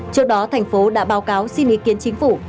trước đó thành phố đã báo cáo xin ý kiến chính phủ